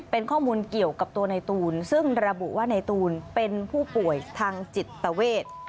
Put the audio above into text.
เป็นข้อมูลเกี่ยวกับตัวในตูนซึ่งระบุว่าในตูนเป็นผู้ป่วยทางจิตเวท